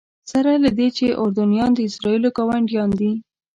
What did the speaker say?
سره له دې چې اردنیان د اسرائیلو ګاونډیان دي.